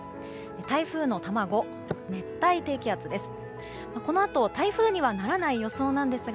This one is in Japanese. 台風の卵、熱帯低気圧です。